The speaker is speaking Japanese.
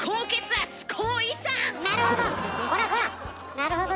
なるほど！